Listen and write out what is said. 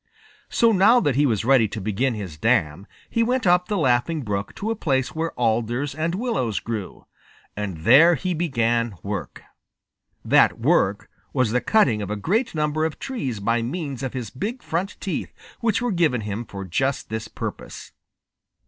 So now that he was ready to begin his dam he went up the Laughing Brook to a place where alders and willows grew, and there he began work; that work was the cutting of a great number of trees by means of his big front teeth which were given him for just this purpose.